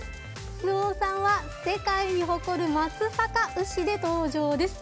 周防さんは世界に誇る松阪牛で登場です。